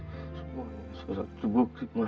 semuanya sudah terbukti ma